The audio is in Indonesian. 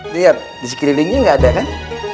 lihat di sekilingnya gak ada kan